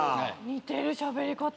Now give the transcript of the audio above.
似てるしゃべり方。